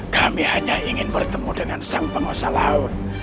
kami hanya ingin bertemu dengan sang penguasa laut